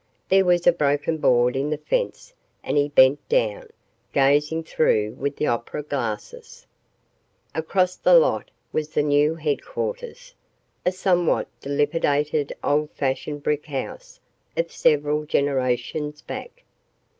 There was a broken board in the fence and he bent down, gazing through with the opera glasses. Across the lot was the new headquarters, a somewhat dilapidated old fashioned brick house of several generations back.